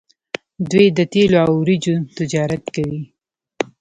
دوی د تیلو او وریجو تجارت کوي.